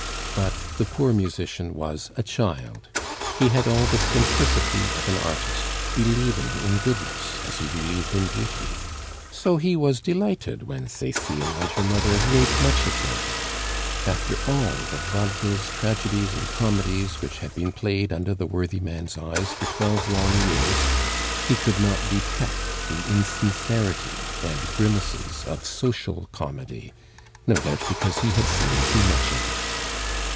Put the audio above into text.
But the poor musician was a child, he had all the simplicity of an artist, believing in goodness as he believed in beauty; so he was delighted when Cecile and her mother made much of him. After all the vaudevilles, tragedies, and comedies which had been played under the worthy man's eyes for twelve long years, he could not detect the insincerity and grimaces of social comedy, no doubt because he had seen too much of it.